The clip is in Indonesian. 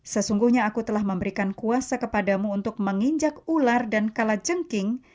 sesungguhnya aku telah memberikan kuasa kepadamu untuk menginjak ular dan kalajengking